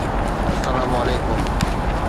السلام عليڪم